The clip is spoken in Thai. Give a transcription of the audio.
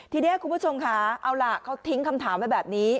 ทีนี้คุณผู้ชมค่ะเอาล่ะเขาทิ้งคำถามไว้แบบนี้